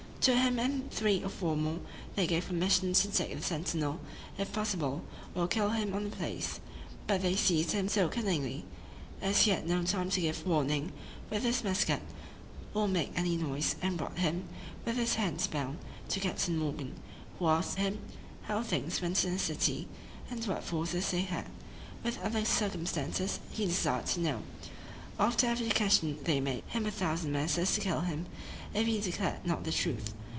To him and three or four more they gave commission to take the sentinel, if possible, or kill him on the place: but they seized him so cunningly, as he had no time to give warning with his musket, or make any noise, and brought him, with his hands bound, to Captain Morgan, who asked him how things went in the city, and what forces they had; with other circumstances he desired to know. After every question they made him a thousand menaces to kill him, if he declared not the truth.